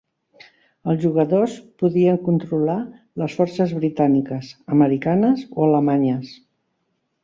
Els jugadors podien controlar les forces britàniques, americanes o alemanyes.